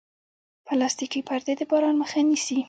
پلاستيکي پردې د باران مخه نیسي.